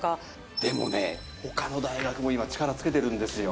でもね、ほかの大学も今、力つけてるんですよ。